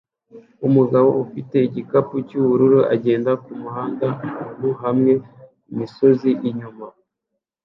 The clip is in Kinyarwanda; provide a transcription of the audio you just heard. Umugabo ufite igikapu cyubururu agenda kumuhanda ahantu hamwe imisozi inyuma